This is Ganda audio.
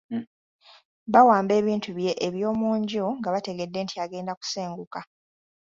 Bawamba ebintu bye eby’omu nju nga bategedde nti agenda kusenguka.